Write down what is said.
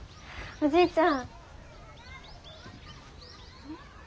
おじいちゃん？